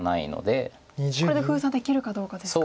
これで封鎖できるかどうかですか。